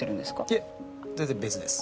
いえ全然別です。